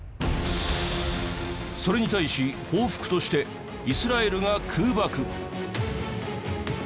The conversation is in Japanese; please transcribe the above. それに対し、報復としてイスラエルが空爆。